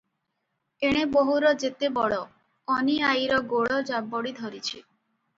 ଏଣେ ବୋହୂର ଯେତେ ବଳ, ଅନୀ ଆଈର ଗୋଡ଼ ଜାବଡ଼ି ଧରିଛି ।